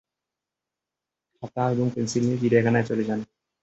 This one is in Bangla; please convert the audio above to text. খাতা এবং পেনসিল নিয়ে চিড়িয়াখানায় চলে যান।